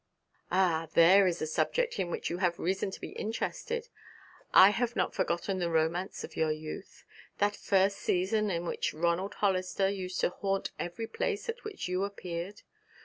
'Ah, there is a subject in which you have reason to be interested. I have not forgotten the romance of your youth that first season in which Ronald Hollister used to haunt every place at which you appeared.